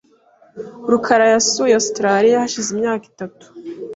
rukara yasuye Ositaraliya hashize imyaka itatu .